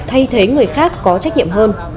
thay thế người khác có trách nhiệm hơn